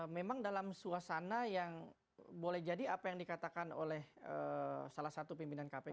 memang dalam suasana yang boleh jadi apa yang dikatakan oleh salah satu pimpinan kpk